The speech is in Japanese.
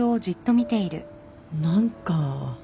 何か。